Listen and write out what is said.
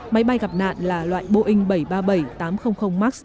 máy bay gặp nạn là loại boeing bảy trăm ba mươi bảy tám trăm linh max